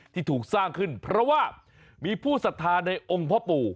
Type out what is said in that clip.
ที่ถูกสร้างขึ้นเพราะว่ามีผู้สัทธาในองค์พ่อปู่